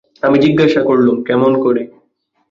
– আমি জিজ্ঞাসা করলুম, কেমন করে?